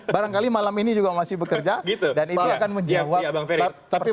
barangkali malam ini juga masih bekerja dan itu akan menjawab